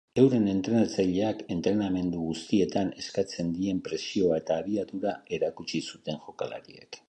Euren entrenatzaileak entrenamendu guztietan eskatzen dien presioa eta abiadura erakutsi zuten jokalariek.